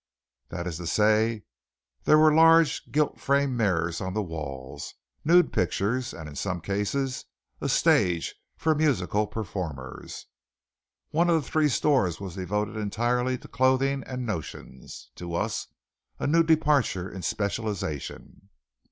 That is to say, there were large gilt framed mirrors on the walls, nude pictures, and in some cases a stage for musical performers. One of the three stores was devoted entirely to clothing and "notions," to us a new departure in specialization.